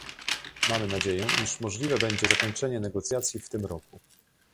Mamy nadzieję, iż możliwe będzie zakończenie negocjacji w tym roku